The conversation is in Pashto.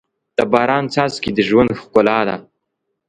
د باران څاڅکي د ژوند ښکلا ده.